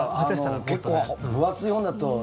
結構、分厚い本だと。